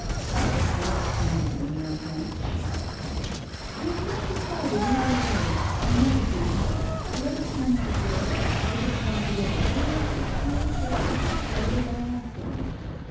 "You are so splendid when you are drunk." "I have not decided either way. I never do. I let it come if it will. To get drunk deliberately is as foolish as to get sober by accident.